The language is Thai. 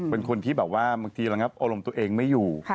เป็นคนที่แบบว่าบางทีระงับอารมณ์ตัวเองไม่อยู่